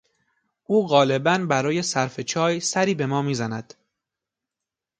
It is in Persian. او غالبا برای صرف چای سری به ما میزند.